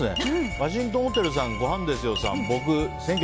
ワシントンホテルさんごはんですよ！